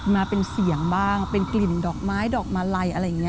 มาเป็นเสียงบ้างเป็นกลิ่นดอกไม้ดอกมาลัยอะไรอย่างนี้